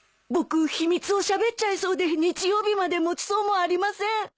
僕秘密をしゃべっちゃいそうで日曜日まで持ちそうもありません。